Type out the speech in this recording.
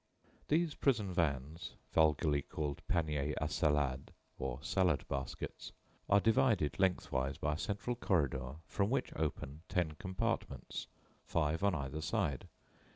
These prison vans, vulgarly called "panniers à salade" or salad baskets are divided lengthwise by a central corridor from which open ten compartments, five on either side.